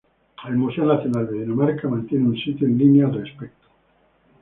El Museo Nacional de Dinamarca mantiene un sitio en línea al respecto.